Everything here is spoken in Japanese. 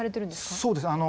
そうですね。